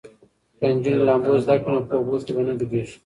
که نجونې لامبو زده کړي نو په اوبو کې به نه ډوبیږي.